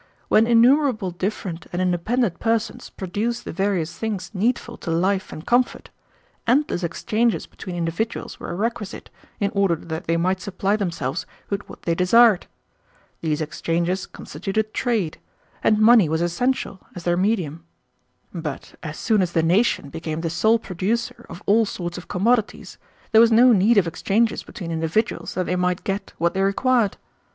"When innumerable different and independent persons produced the various things needful to life and comfort, endless exchanges between individuals were requisite in order that they might supply themselves with what they desired. These exchanges constituted trade, and money was essential as their medium. But as soon as the nation became the sole producer of all sorts of commodities, there was no need of exchanges between individuals that they might get what they required.